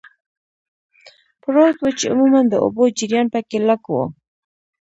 پروت و، چې عموماً د اوبو جریان پکې لږ و.